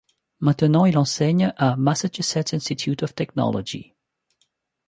Maintenant, il enseigne à Massachusetts Institute of Technology.